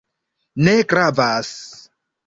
Ne gravas